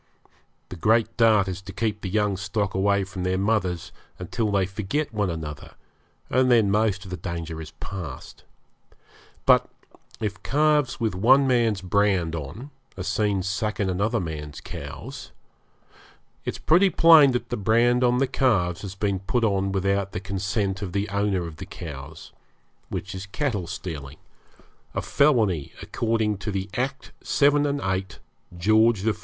The great dart is to keep the young stock away from their mothers until they forget one another, and then most of the danger is past. But if calves with one man's brand on are seen sucking another man's cows, it is pretty plain that the brand on the calves has been put on without the consent of the owner of the cows which is cattle stealing; a felony, according to the Act 7 and 8 George IV, No.